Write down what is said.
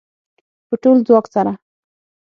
په ټول ځواک سره